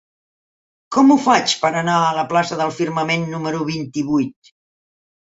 Com ho faig per anar a la plaça del Firmament número vint-i-vuit?